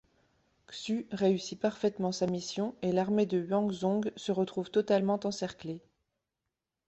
Xu réussit parfaitement sa mission et l'armée de Huang Zhong se retrouve totalement encerclée.